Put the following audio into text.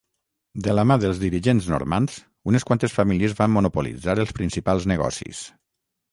De la mà dels dirigents normands, unes quantes famílies van monopolitzar els principals negocis.